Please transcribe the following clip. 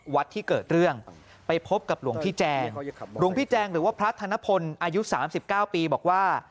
วัดที่เกิดเรื่องไปพบกับหลวงพี่แจงหรือว่าพระธนพลอายุ๓๙ปีบอกว่า